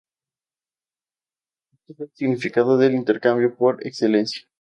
Este es el significado del intercambio, por excelencia.